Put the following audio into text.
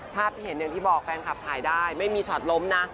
ภาพที่เห็นอย่างที่บอกแฟนคลับถ่ายได้ไม่มีช็อตล้มนะ